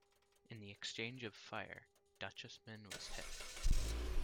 In the exchange of fire, Deutschmann was hit.